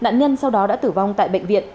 nạn nhân sau đó đã tử vong tại bệnh viện